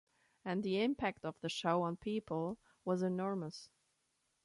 And the impact of the show on people was enormous.